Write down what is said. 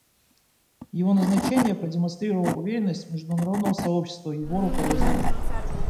Его назначение продемонстрировало уверенность международного сообщества в его руководстве.